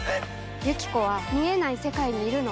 ユキコは見えない世界にいるの。